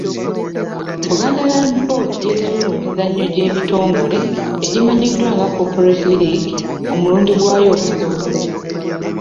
Buganda Land Board yeetabye mu mizannyo gy'ebitongole egimannyiddwa nga Corporate League omulundi gwayo ogusoose.